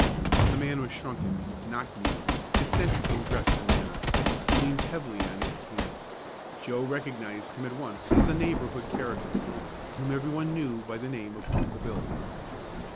The man was shrunken, knock kneed, eccentric in dress and manner, and leaned heavily on his cane. Joe recognized him at once as a neighborhood character, whom every one knew by the name of Uncle Billy.